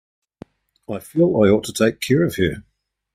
I feel I ought to take care of her.